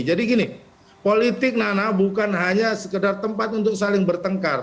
jadi gini politik nana bukan hanya sekedar tempat untuk saling bertengkar